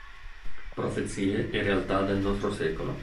Profezie e realtà del nostro secolo.